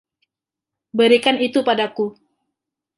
Berikan itu padaku.